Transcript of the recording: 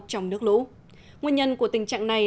trong nước lũ nguyên nhân của tình trạng này